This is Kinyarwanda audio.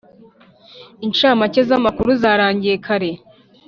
Inshamake zamakuru zarangiye kare